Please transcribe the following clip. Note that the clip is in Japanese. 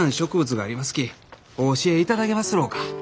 きお教えいただけますろうか？」。